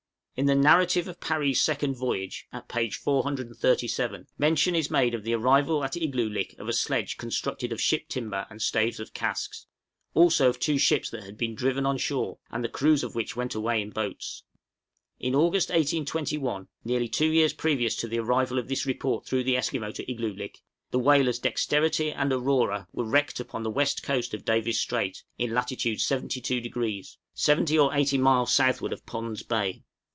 In the 'Narrative of Parry's Second Voyage,' at p. 437, mention is made of the arrival at Igloolik of a sledge constructed of ship timber and staves of casks; also of two ships that had been driven on shore, and the crews of which went away in boats. In August, 1821, nearly two years previous to the arrival of this report through the Esquimaux to Igloolik, the whalers 'Dexterity' and 'Aurora' were wrecked upon the west coast of Davis' Strait, in lat. 72°, 70 or 80 miles southward of Pond's Bay.